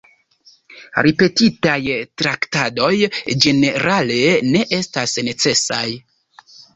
Ripetitaj traktadoj ĝenerale ne estas necesaj.